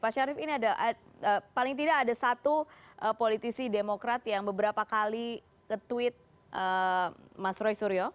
pak syarif ini ada paling tidak ada satu politisi demokrat yang beberapa kali nge tweet mas roy suryo